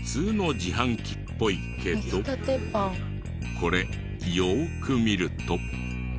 これよく見ると。